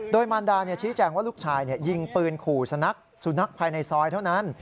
โดยมารดาชี้แจงว่าลูกชายยิงปืนขู่สุนัขสุนัขภายในซอยเท่านั้น